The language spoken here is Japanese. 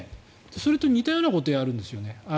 それと似たようなことをやるんですよね。